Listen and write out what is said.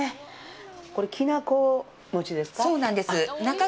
これ、きな粉餅ですか？